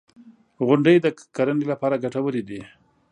• غونډۍ د کرنې لپاره ګټورې دي.